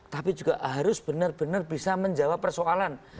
tapi juga harus benar benar bisa menjawab persoalan